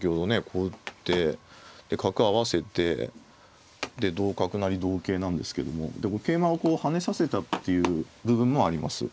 こう打ってで角合わせてで同角成同桂なんですけども桂馬をこう跳ねさせたっていう部分もあります。